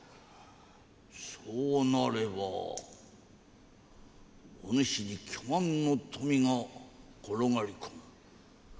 そうなればお主に巨万の富が転がり込む。